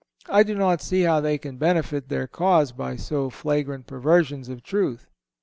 I do not see how they can benefit their cause by so flagrant perversions of truth.